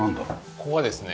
ここはですね